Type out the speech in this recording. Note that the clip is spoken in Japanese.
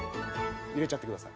入れちゃってください。